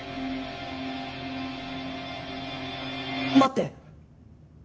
待って！